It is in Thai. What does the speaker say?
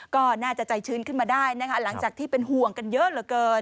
ก็น่าจะใจชื้นขึ้นมาได้นะคะหลังจากที่เป็นห่วงกันเยอะเหลือเกิน